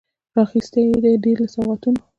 راخیستي یې دي، ډیر له سوغاتونو